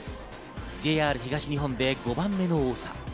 ＪＲ東日本で５番目の多さ。